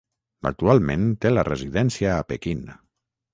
Actualment té la residència a Pequín.